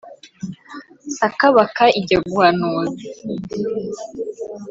saka baka ijya guhanuza